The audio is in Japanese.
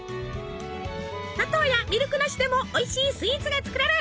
砂糖やミルクなしでもおいしいスイーツが作れる！